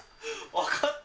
分かった。